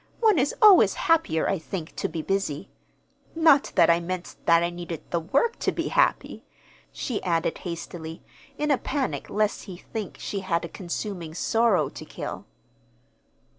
"One is always happier, I think, to be busy. Not that I meant that I needed the work to be happy," she added hastily, in a panic lest he think she had a consuming sorrow to kill.